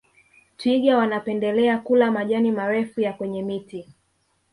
twiga wanapendelea kula majani marefu ya kwenye miti